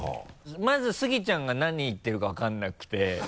まずスギちゃんが何言ってるか分からなくて。